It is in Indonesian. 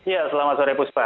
ya selamat sore puspa